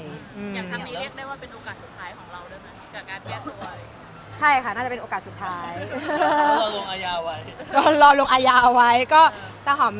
อย่างครั้งนี้เรียกได้ว่าเป็นโอกาสสุดท้ายของเราแล้วกับการแยกตัว